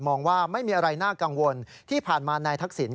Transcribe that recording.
ว่าไม่มีอะไรน่ากังวลที่ผ่านมานายทักษิณ